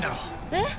えっ？